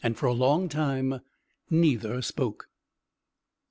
For a long time neither spoke.